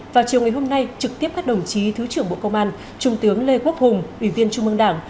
vào chiều ngày hôm nay trực tiếp các đồng chí thứ trưởng bộ công an trung tướng lê quốc hùng ủy viên trung mương đảng